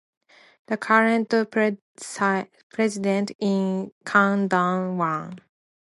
The current president is Kang Dong-Wan.